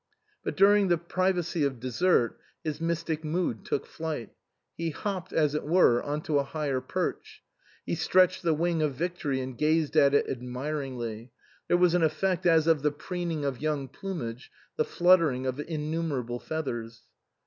136 INLAND But during the privacy of dessert his mystic mood took flight ; he hopped, as it were, on to a higher perch ; he stretched the wing of victory and gazed at it admiringly ; there was an effect as of the preening of young plumage, the flut tering of innumerable feathers.